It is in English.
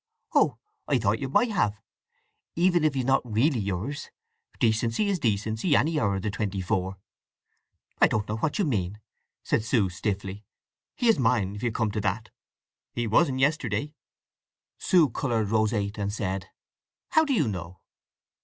"Oh, I thought you might have, even if he's not really yours. Decency is decency, any hour of the twenty four." "I don't know what you mean," said Sue stiffly. "He is mine, if you come to that!" "He wasn't yesterday." Sue coloured roseate, and said, "How do you know?"